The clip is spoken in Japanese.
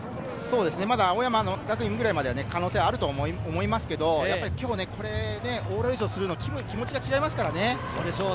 青山学院ぐらいまでは可能性があると思いますけれど、今日、往路優勝をすると気持ちが違いますからね。